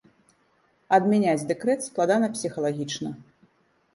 Адмяняць дэкрэт складана псіхалагічна.